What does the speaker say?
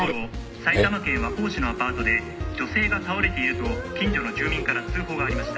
「埼玉県和光市のアパートで女性が倒れていると近所の住民から通報がありました」